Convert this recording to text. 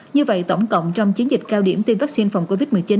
như vậy tổng cộng trong chiến dịch cao điểm tiêm vaccine phòng covid một mươi chín